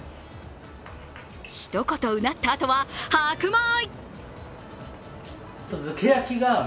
ひと言うなったあとは白米！